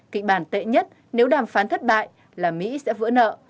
kịch bản tệ nhất nếu đàm phán thất bại là mỹ sẽ vỡ nợ